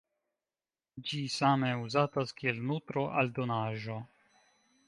Ĝi same uzatas kiel nutro-aldonaĵo.